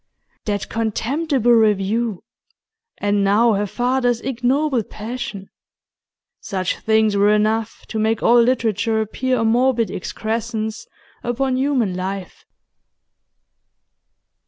That contemptible review, and now her father's ignoble passion such things were enough to make all literature appear a morbid excrescence upon human life.